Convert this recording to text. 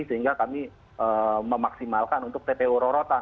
sehingga kami memaksimalkan untuk tpu rorotan